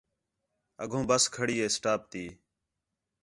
اڳوں ٻس کھڑی ہے سٹاپ تی